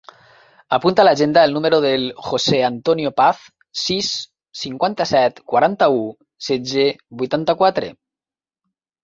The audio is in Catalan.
Apunta a l'agenda el número del José antonio Paz: sis, cinquanta-set, quaranta-u, setze, vuitanta-quatre.